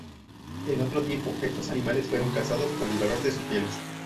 En otro tiempo estos animales fueron cazados por el valor de sus pieles.